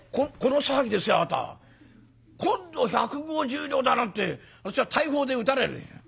今度百五十両だなんて私は大砲で撃たれるよ」。